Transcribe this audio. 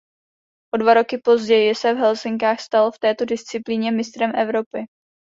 O dva roky později se v Helsinkách stal v této disciplíně mistrem Evropy.